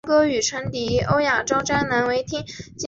落羽松叶下珠为大戟科叶下珠属下的一个种。